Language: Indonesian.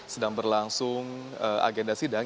sedang berlangsung agenda sidang